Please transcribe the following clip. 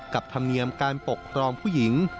ธรรมเนียมการปกครองผู้หญิง